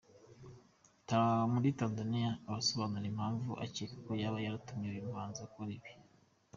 muri Tanzaniya abasobanura impamvu akeka yaba yaratumye uyu muhanzi akora ibi.